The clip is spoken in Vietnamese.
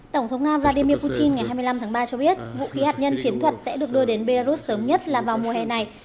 tổng thống nga vladimir putin ngày hai mươi năm tháng ba cho biết vũ khí hạt nhân chiến thuật sẽ được đưa đến belarus sớm nhất là vào mùa hè này